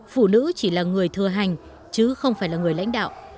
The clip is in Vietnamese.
phụ nữ chỉ là người thừa hành chứ không phải là người lãnh đạo